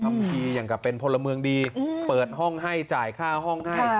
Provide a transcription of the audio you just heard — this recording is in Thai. ทำทีอย่างกับเป็นพลเมืองดีเปิดห้องให้จ่ายค่าห้องให้